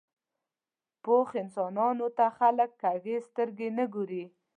پخو انسانانو ته خلک کږې سترګې نه ګوري